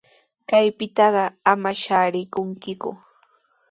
Kaypitaqa ama shaarinkiku.